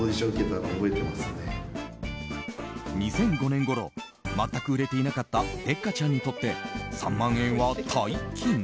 ２００５年ごろ全く売れていなかったデッカチャンにとって３万円は大金。